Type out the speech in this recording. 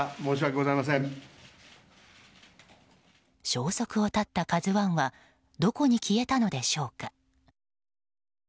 消息を絶った「ＫＡＺＵ１」はどこに消えたのでしょうか。